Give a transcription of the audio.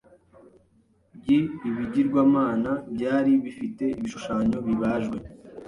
by ibigirwamana byari bifite ibishushanyo bibajwe